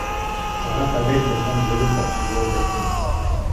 Ага табель жазган бөлүм башчы жооп берсин.